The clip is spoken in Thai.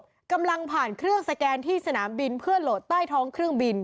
กำลังผ่านเครื่องสแกนที่สนามบินเพื่อโหลดใต้ท้องเครื่องบิน